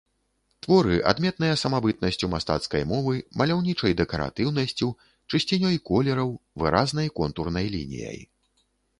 Творы адметныя самабытнасцю мастацкай мовы, маляўнічай дэкаратыўнасцю, чысцінёй колераў, выразнай контурнай лініяй.